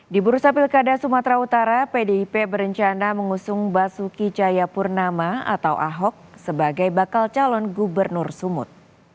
di bursa pilkada sumatera utara pdip berencana mengusung basuki cayapurnama atau ahok sebagai bakal calon gubernur sumut